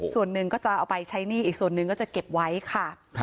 ส่วนหนึ่งก็จะเอาไปใช้หนี้อีกส่วนหนึ่งก็จะเก็บไว้ค่ะ